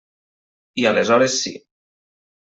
I aleshores sí.